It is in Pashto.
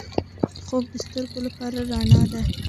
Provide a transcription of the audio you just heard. خوب د سترګو لپاره رڼا ده